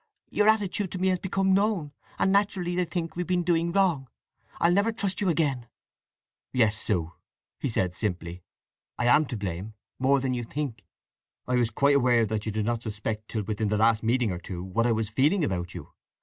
Your attitude to me has become known; and naturally they think we've been doing wrong! I'll never trust you again!" "Yes, Sue," he said simply; "I am to blame—more than you think. I was quite aware that you did not suspect till within the last meeting or two what I was feeling about you.